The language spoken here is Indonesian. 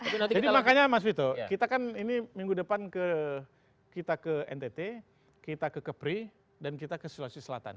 jadi makanya mas wito kita kan ini minggu depan kita ke ntt kita ke kepri dan kita ke sulawesi selatan